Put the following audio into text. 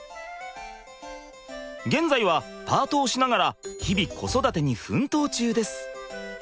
現在はパートをしながら日々子育てに奮闘中です。